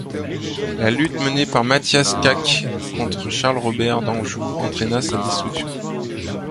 La lutte menée par Mathias Čák contre Charles Robert d'Anjou entraina sa destruction.